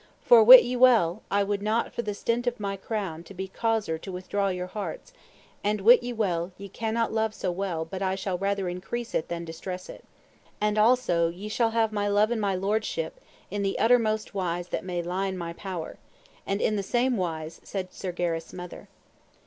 for wit ye well I would not for the stint of my crown to be causer to withdraw your hearts; and wit ye well ye cannot love so well but I shall rather increase it than distress it. And also ye shall have my love and my lordship in the uttermost wise that may lie in my power. And in the same wise said Sir Gareth's mother.